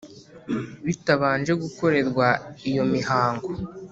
bitabanje gukorerwa iyo mihango